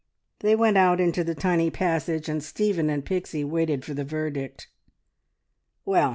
They went out into the tiny passage, and Stephen and Pixie waited for the verdict. "Well!